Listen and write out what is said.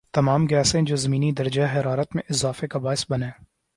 تمام گیسیں جو زمینی درجہ حرارت میں اضافے کا باعث بنیں